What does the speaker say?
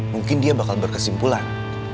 mungkin dia bakal berkesimpulan